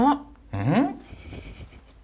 うん？